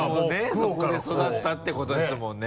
そこで育ったってことですもんね。